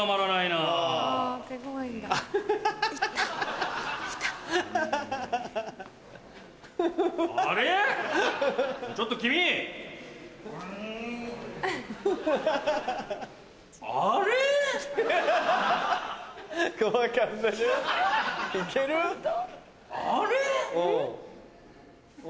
あれ？